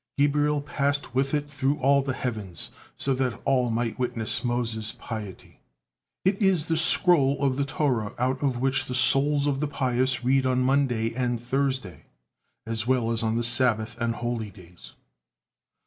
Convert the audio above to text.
Gabriel passed with it through all the heavens, so that all might witness Moses' piety. It is this scroll of the Torah out of which the souls of the pious read on Monday and Thursday, as well as on the Sabbath and holy days.